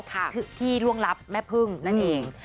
ที่ร่วงรับแม่พึ่งนั่นเอง